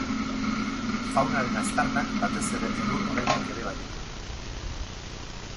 Faunaren aztarnak, batez ere elur-oreinak ere baditu.